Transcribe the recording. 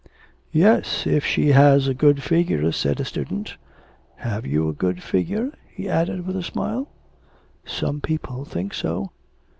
'Yes, if she has a good figure,' said a student. 'Have you a good figure?' he added with a smile. 'Some people think so.